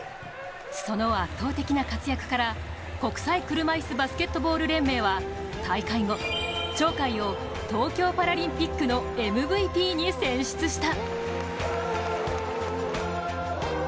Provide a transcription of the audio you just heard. その圧倒的な活躍から、国際車いすバスケットボール連盟は大会後、鳥海を東京パラリンピックのＭＶＰに選出した。